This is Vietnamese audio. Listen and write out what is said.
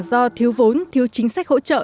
do thiếu vốn thiếu chính sách hỗ trợ